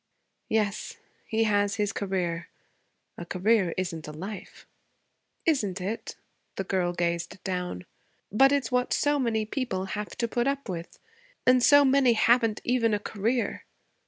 'Yes. He has his career. A career isn't a life.' 'Isn't it?' The girl gazed down. 'But it's what so many people have to put up with. And so many haven't even a career.'